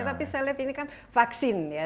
tapi saya lihat ini kan vaksin ya